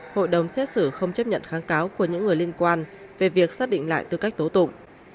hội đồng xét xử không chấp nhận kháng cáo của những người liên quan về việc xác định lại tư cách tố tụng